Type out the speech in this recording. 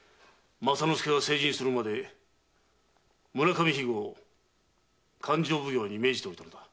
政之助が成人するまで村上肥後を勘定奉行に命じておるのだ。